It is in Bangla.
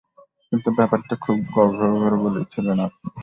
কিন্তু ব্যাপারটা খুব গর্বভরে বলেছিলেন আপনি।